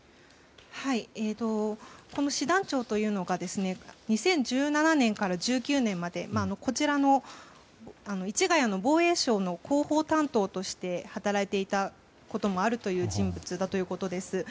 この師団長というのが２０１７年から１９年までこちらの市ヶ谷の防衛省の広報担当として働いていたこともあるという人物だということです。